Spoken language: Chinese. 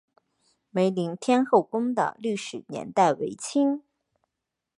梅林天后宫的历史年代为清。